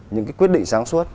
những cái quyết định sáng suốt